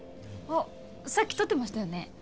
あっさっき撮ってましたよね